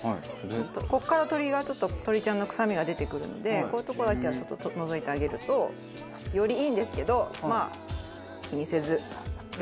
ここから鶏がちょっと鶏ちゃんの臭みが出てくるのでこういう所だけはちょっと除いてあげるとよりいいんですけどまあ気にせず。